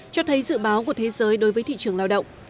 cho thấy dự báo của thế giới đối với thị trường lao động